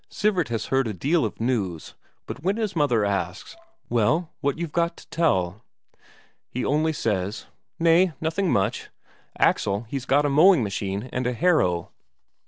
Sivert has heard a deal of news, but when his mother asks, "Well, what you've got to tell?" he only says: "Nay, nothing much. Axel he's got a mowing machine and a harrow."